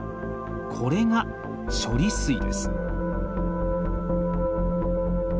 これが処理水です。